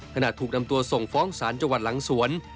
ถูกนำตัวส่งฟ้องศาลจังหวัดหลังสวน